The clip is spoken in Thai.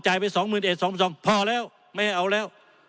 จ่ายไปสองหมื่นเอ็ดสองหมื่นสองพอแล้วไม่เอาแล้ว